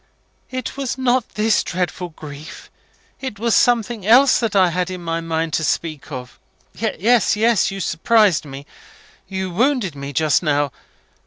"It was not this dreadful grief it was something else that I had it in my mind to speak of. Yes, yes. You surprised me you wounded me just now.